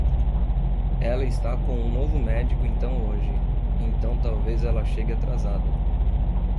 Ela está com o novo médico então hoje, então talvez ela chegue atrasada.